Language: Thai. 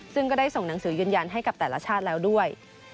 ซึ่งก็ได้ส่งหนังสือยืนยันให้กับแต่ละชาติแล้วด้วย